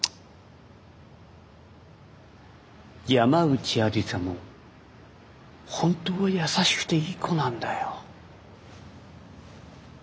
山内愛理沙も本当は優しくていい子なんだよ。